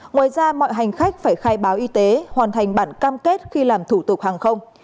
ngoài ra mọi hành khách phải khai báo y tế hoàn thành bản cam kết khi làm thủ tục hàng không